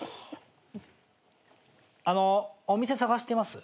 あのお店探してます？